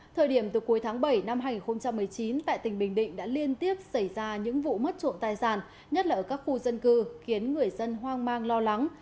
thời điểm từ cuối tháng bảy năm hai nghìn một mươi chín tại tỉnh bình định đã liên tiếp xảy ra những vụ mất trộm tài sản nhất là ở các khu dân cư khiến người dân hoang mang lo lắng